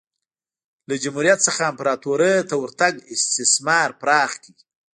له جمهوریت څخه امپراتورۍ ته ورتګ استثمار پراخ کړ